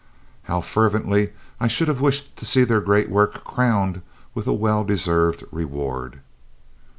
"How fervently I should have wished to see their great work crowned with a well deserved reward!"